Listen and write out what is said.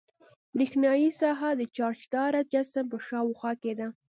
برېښنايي ساحه د چارجداره جسم په شاوخوا کې ده.